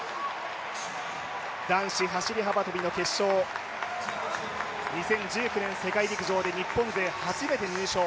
男子走幅跳の決勝、２０１９年世界陸上で日本勢初めて入賞